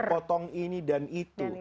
kepotong ini dan itu